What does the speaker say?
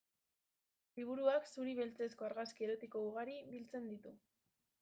Liburuak zuri-beltzezko argazki erotiko ugari biltzen ditu.